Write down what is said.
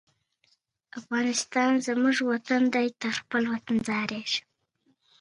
لږ شېبه وروسته راغی.